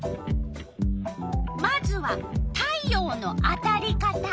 まずは「太陽のあたり方」。